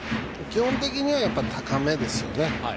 基本的には高めですよね。